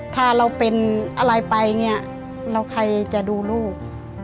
ถ้าเราเป็นอะไรไปเราใครจะดูลูก